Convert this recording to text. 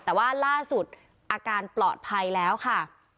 แต่ว่าล่าสุดอาการปลอดภัยแล้วค่ะ